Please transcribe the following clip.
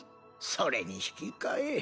それに引き換え。